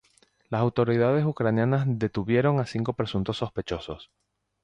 Las autoridades ucranianas detuvieron a cinco presuntos sospechosos.